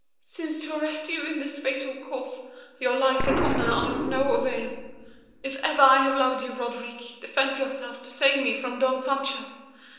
"Since to arrest you in this fatal course Your life and honor are of no avail, If ever I have loved you, Roderick, Defend yourself to save me from Don Sancho.